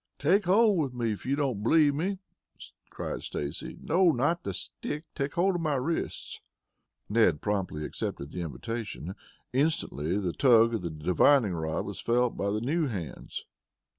"Take hold with me here, if you don't believe me," cried Stacy. "No, not on the stick, take hold of my wrists." Ned promptly accepted the invitation. Instantly the tug of the divining rod was felt by the new hands.